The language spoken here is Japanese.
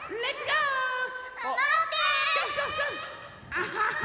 アハハ！